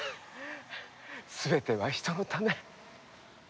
全ては人のため。